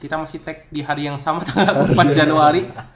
kita masih take di hari yang sama tanggal empat januari